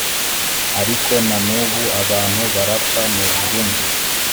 Ariko na n ubu abantu barapfa mu Burundi